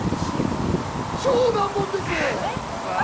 超難問です。